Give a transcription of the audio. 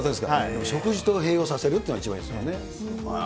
食事と併用させるっていうのが一番いいんですよね。